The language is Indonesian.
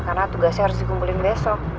karena tugasnya harus digunggulin besok